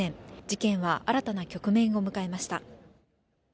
事件は新たな局面を迎えました。